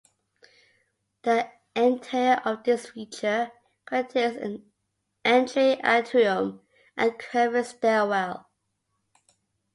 The interior of this feature contains an entry atrium and curving stairwell.